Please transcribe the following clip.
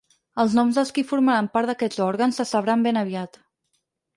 Els noms dels qui formaran part d’aquests òrgans se sabran ben aviat.